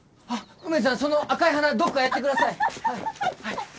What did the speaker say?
あっ梅津さんその赤い花どっかやってください！ははい！